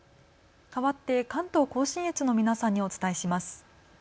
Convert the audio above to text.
かわって関東甲信越の皆さんにお伝えします。